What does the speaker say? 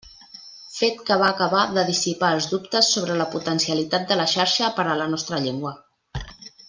Fet que va acabar de dissipar els dubtes sobre la potencialitat de la xarxa per a la nostra llengua.